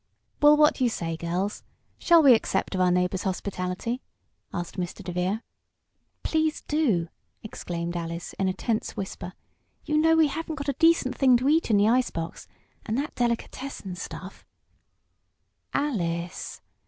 "Well, what do you say, girls? Shall we accept of our neighbor's hospitality?" asked Mr. DeVere. "Please do!" exclaimed Alice, in a tense whisper. "You know we haven't got a decent thing to eat in the ice box, and that delicatessen stuff " "Alice!"